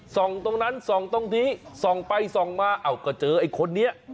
ตรงนั้นส่องตรงนี้ส่องไปส่องมาก็เจอไอ้คนนี้